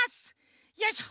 よいしょ！